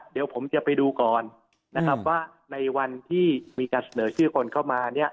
เดี๋ยวผมจะไปดูก่อนนะครับว่าในวันที่มีการเสนอชื่อคนเข้ามาเนี่ย